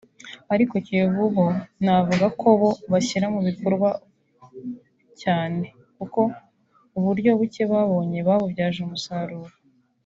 Ariko Kiyovu bo navuga ko bo bashyira mu bikorwa cyane kuko uburyo bucye babonye babubyaje umusaruro